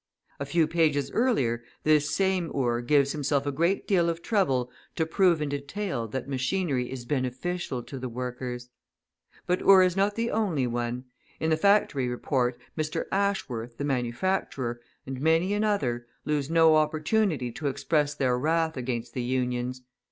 A few pages earlier this same Ure gives himself a great deal of trouble to prove in detail that machinery is beneficial to the workers! But Ure is not the only one; in the Factory Report, Mr. Ashworth, the manufacturer, and many another, lose no opportunity to express their wrath against the Unions.